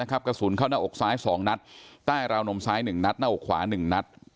กระสุนเข้าหน้าอกซ้าย๒นัดใต้ราวนมซ้าย๑นัดหน้าอกขวา๑นัด